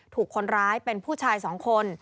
ถูกคนร้ายเป็นผู้ชาย๒คน